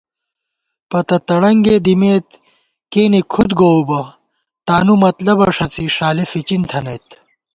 پتہ تڑنگے دِمېت کیَنی کھُد گوؤ بہ تانُو مطلَبہ ݭَڅی ݭالی فِچِن تھنَئیت